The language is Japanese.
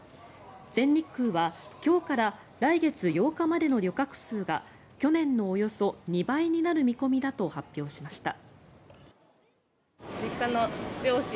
全日空は今日から来月８日までの旅客数が去年のおよそ２倍になる見込みだと発表しました。